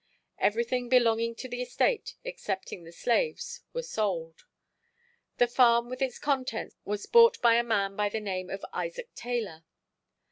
Everything belonging to the estate excepting the slaves were sold. The farm with its contents was bought by a man by the name of Isaac Taylor.